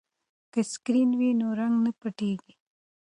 که سکرین وي نو رنګ نه پټیږي.